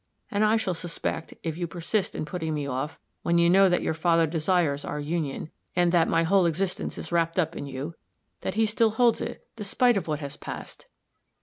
And I shall suspect, if you persist in putting me off, when you know that your father desires our union, and that my whole existence is wrapped up in you, that he still holds it, despite of what has passed."